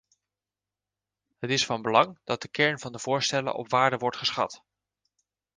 Het is van belang dat de kern van de voorstellen op waarde wordt geschat.